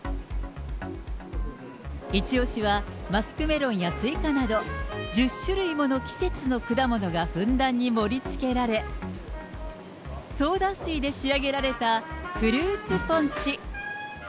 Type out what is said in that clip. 一押しはマスクメロンやスイカなど、１０種類もの季節の果物がふんだんに盛りつけられ、ソーダ水で仕上げられたフルーツポンチ。